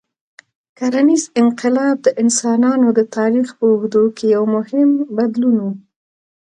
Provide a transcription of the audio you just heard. کرنيز انقلاب د انسانانو د تاریخ په اوږدو کې یو مهم بدلون و.